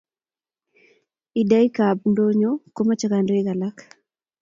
Aidaika ab ndonyo komache kandoik alak